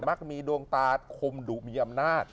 มักมีดวงตาคมดุมีอำนาจ